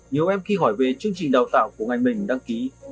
nhiều em khi hỏi về chương trình đào tạo của ngành mình đăng ký